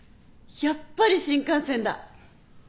やっぱり新幹線だ。